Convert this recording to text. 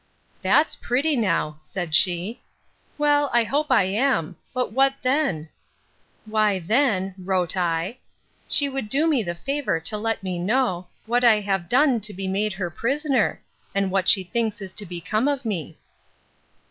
'—That's pretty now, said she; well, I hope I am; but what then? 'Why then (wrote I) she would do me the favour to let me know, what I have done to be made her prisoner; and what she thinks is to become of me.